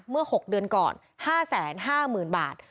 เมื่อ๖เดือนก่อน๕๕๐๐๐บาท